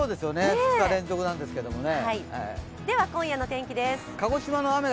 ２日連続なんですけどね。